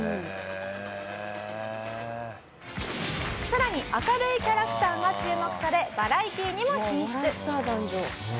更に明るいキャラクターが注目されバラエティにも進出。